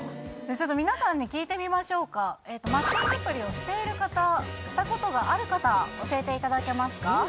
ちょっと皆さんに聞いてみましょうかマッチングアプリをしている方したことがある方教えていただけますか？